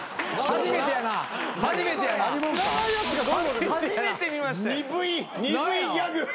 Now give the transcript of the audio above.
初めて見ましたよ。